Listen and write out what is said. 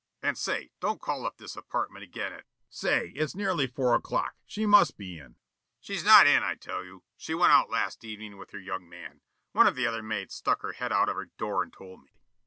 And say, don't call up this apartment again at " Smilk: "Say, it's nearly four o'clock. She must be in." Plaza 00100: "She's not in, I tell you. She went out last evening with her young man. One of the other maids stuck her head out of her door and told me."